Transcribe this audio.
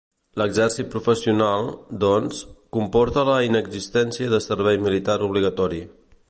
L'exèrcit professional, doncs, comporta la inexistència de servei militar obligatori.